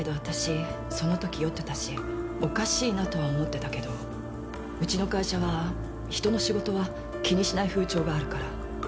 そのとき酔ってたしおかしいなとは思ってたけどウチの会社は人の仕事は気にしない風潮があるから。